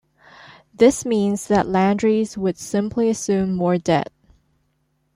This means that Landry's would simply assume more debt.